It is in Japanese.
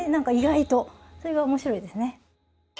それが面白いですね。